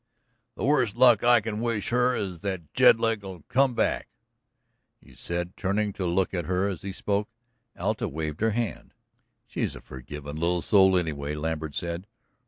"The worst luck I can wish her is that Jedlick'll come back," he said, turning to look at her as he spoke. Alta waved her hand. "She's a forgivin' little soul, anyway," Lambert said.